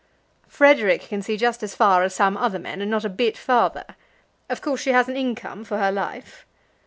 "Frederic can see just as far as some other men, and not a bit farther. Of course she has an income, for her life."